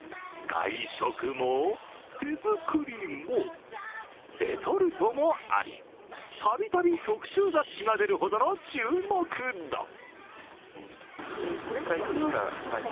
外食も、手作りも、レトルトもあり、たびたび特集雑誌が出るほどの注目度。